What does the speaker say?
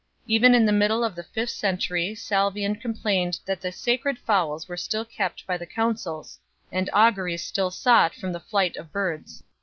Even in the middle of the fifth century Salvian 2 complained that the sacred fowls were still kept by the consuls, and auguries still sought from the flight of birds.